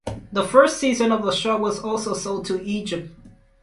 The first season of the show was also sold to Egypt.